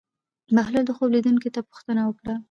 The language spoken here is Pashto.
بهلول د خوب لیدونکي نه پوښتنه وکړه.